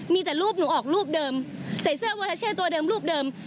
มีแต่รูปหนูออกรูปเดิมใส่เสื้อวาราเช่ตัวเดิมรูปเดิม